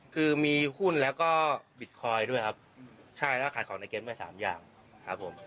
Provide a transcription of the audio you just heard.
คือมีหุ้นแล้วก็บิตคอยน์ด้วยครับใช่แล้วก็ขายของในเกมไปสามอย่างครับผม